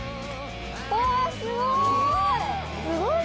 おすごい！